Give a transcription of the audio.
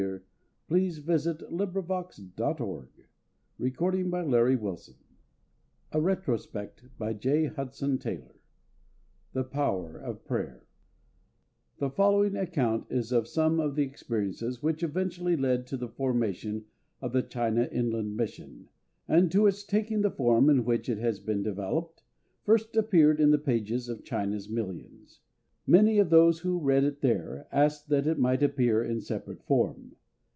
Murray for No. 13, and also to other friends unknown by name. CHAPTER I THE POWER OF PRAYER THE following account of some of the experiences which eventually led to the formation of the CHINA INLAND MISSION, and to its taking the form in which it has been developed, first appeared in the pages of China's Millions. Many of those who read it there asked that it might appear in separate form.